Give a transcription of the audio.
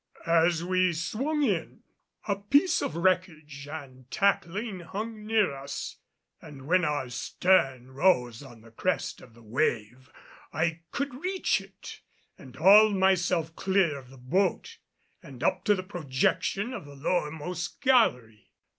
As we swung in, a piece of wreckage and tackling hung near us and when our stern rose on the crest of the wave, I could reach it, and hauled myself clear of the boat and up to the projection of the lowermost gallery.